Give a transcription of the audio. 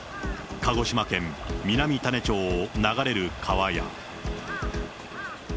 鹿児島県南種子町を流れる川や。